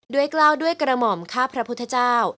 กล้าวด้วยกระหม่อมข้าพระพุทธเจ้า